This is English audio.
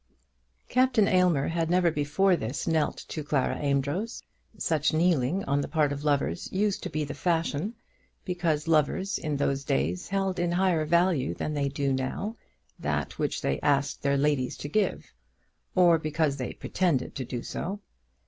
Captain Aylmer had never before this knelt to Clara Amedroz. Such kneeling on the part of lovers used to be the fashion because lovers in those days held in higher value than they do now that which they asked their ladies to give, or because they pretended to do so.